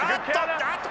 あっと！